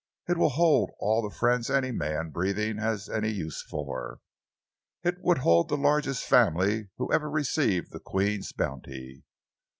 It will hold all the friends any man breathing has any use for. It would hold the largest family who ever received the Queen's bounty.